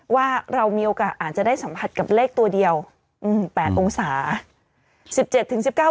ว่าเรามีโอกาสอาจจะได้สัมผัสกับเลขตัวเดียว๘องศา